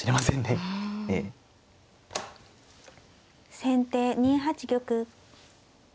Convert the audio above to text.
先手２八玉。